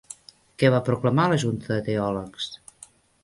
Què va proclamar la junta de teòlegs?